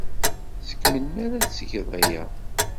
Seg melmi ay la tettged aya?